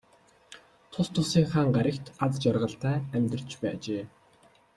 Тус тусынхаа гаригт аз жаргалтай амьдарч байжээ.